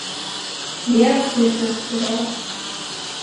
Mera skulle knappt behövas.